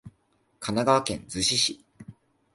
神奈川県逗子市